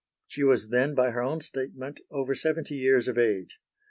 She was then, by her own statement, over seventy years of age.